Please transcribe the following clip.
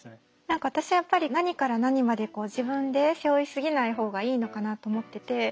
何か私はやっぱり何から何まで自分で背負いすぎない方がいいのかなと思ってて。